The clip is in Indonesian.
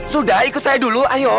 sudah ikut saya dulu ayo